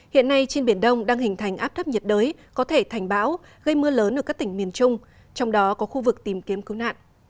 hiện nay trên biển đông đang hình thành áp thấp nhiệt đới có thể thành bão gây mưa lớn ở các tỉnh miền trung trong đó có khu vực tìm kiếm cứu nạn